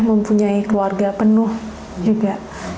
mempunyai keluarga penuh juga